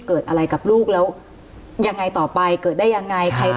เกิดอะไรกับลูกแล้วยังไงต่อไปเกิดได้ยังไง